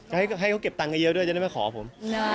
ก็ให้เขาเก็บตังค์กระเยียวด้วยจะได้ไม่ขอผม